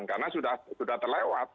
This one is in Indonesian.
karena sudah terlewat